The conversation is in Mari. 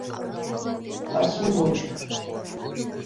Пасу гоч.